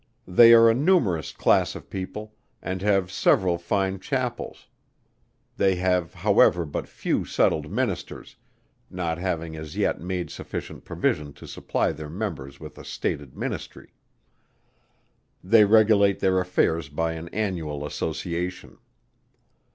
They are a numerous class of people, and have several fine Chapels; they have however but few settled Ministers, not having as yet made sufficient provision to supply their members with a stated Ministry. They regulate their affairs by an annual association.